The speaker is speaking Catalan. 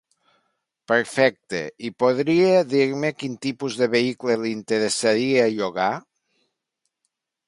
Perfecte, i podria dir-me quin tipus de vehicle li interessaria llogar?